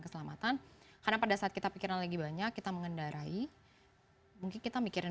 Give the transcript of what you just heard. keselamatan karena pada saat kita pikiran lagi banyak kita mengendarai mungkin kita mikirin